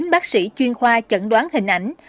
chín bác sĩ chuyên khoa chẩn đoán hình ảnh